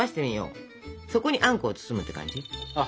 そこにあんこを包むって感じ。